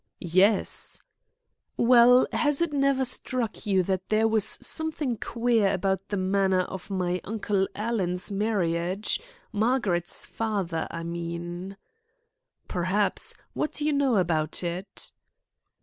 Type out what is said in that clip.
"Yes." "Well, has it never struck you that there was something queer about the manner of my Uncle Alan's marriage Margaret's father, I mean?" "Perhaps. What do you know about it?"